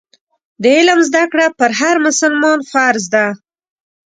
د علم زده کړه پر هر مسلمان فرض ده.